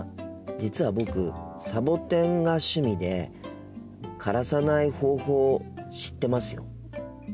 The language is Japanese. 実は僕サボテンが趣味で枯らさない方法知ってますよ。